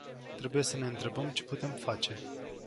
Trebuie să ne întrebăm ce putem face.